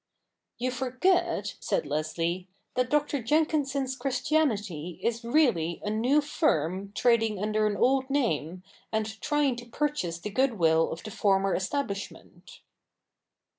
' You forget,' said Leslie, ' that Dr. Jenkinson's Christianity is really a new firm trading under an old name, and trying to purchase the goodwill of the former establishment.'